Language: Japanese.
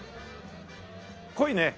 濃いね。